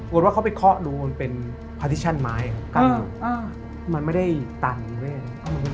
กลัวว่าเขาไปเคาะดูมันเป็นพาติชั่นไม้อ่ามันไม่ได้ตันด้วย